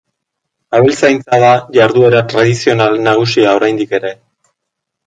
Abeltzaintza da jarduera tradizional nagusia oraindik ere.